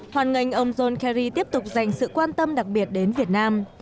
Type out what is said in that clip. hoàn ngành ông john kerry tiếp tục dành sự quan tâm đặc biệt đến việt nam